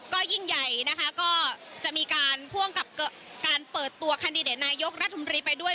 ก็ยิ่งใหญ่นะคะก็จะมีการพ่วงกับการเปิดตัวแคนดิเดตนายกรัฐมนตรีไปด้วย